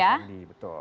prabowo sandi betul